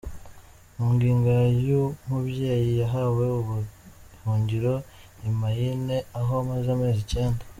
Magingo aya uyu mubyeyi yahawe ubuhungiro i Maine, aho amaze amezi icyenda.